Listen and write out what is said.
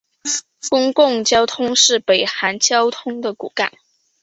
公共交通是北韩交通的骨干。